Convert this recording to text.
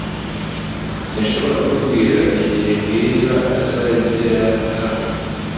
Sinshobora kukubwira igihe Bwiza azagera hano .